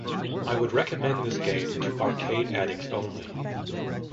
I would recommend this game to arcade addicts only.